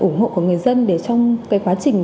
ủng hộ của người dân để trong cái quá trình